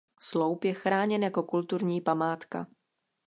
Sloup je chráněn jako kulturní památka.